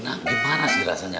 nah gimana sih rasanya